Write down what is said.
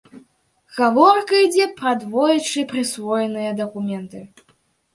Гаворка ідзе пра двойчы прысвоеныя дакументы.